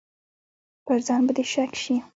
پر ځان به دې شک شي.